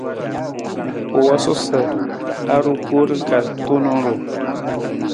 U wosu sa i ru koor ka tuunang ruu.